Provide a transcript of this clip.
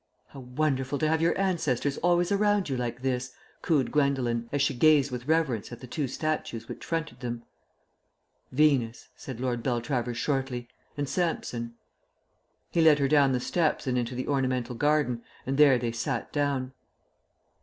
"How wonderful to have your ancestors always around you like this!" cooed Gwendolen, as she gazed with reverence at the two statues which fronted them. "Venus," said Lord Beltravers shortly, "and Samson." He led her down the steps and into the ornamental garden, and there they sat down.